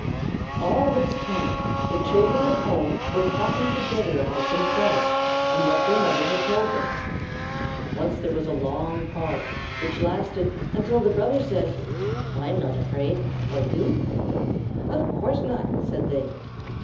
All this time the children at home were talking together about themselves and what their mother had told them. Once there was a long pause which lasted until the brother said: "I'm not afraid, are you?" "Of course not," said they.